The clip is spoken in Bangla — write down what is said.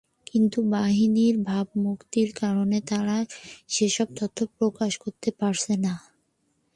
কিন্তু বাহিনীর ভাবমূর্তির কারণে তাঁরা সেসব তথ্য প্রকাশ করতে পারছেন না।